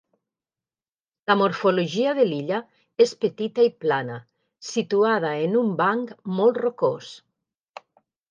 La morfologia de l'illa és petita i plana, situada en un banc molt rocós.